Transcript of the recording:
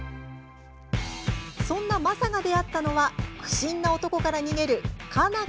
そんなマサが出会ったのは不審な男から逃げる佳奈